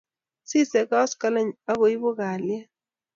sisei koskoleny aku ibu kalyet